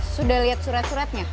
sudah lihat surat suratnya